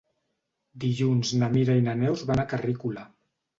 Dilluns na Mira i na Neus van a Carrícola.